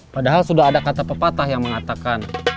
padahal sudah ada kata pepatah yang mengatakan